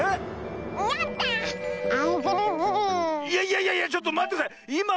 いやいやいやいやちょっとまってください。